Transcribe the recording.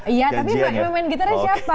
iya tapi mau main gitar siapa